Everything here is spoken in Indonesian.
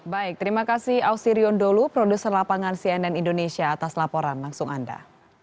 baik terima kasih ausirion dholu produser lapangan cnn indonesia atas laporan langsung anda